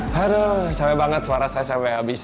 haduh sampe banget suara saya sampe habis